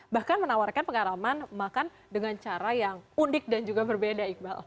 bahkan menawarkan pengalaman makan dengan cara yang unik dan juga berbeda iqbal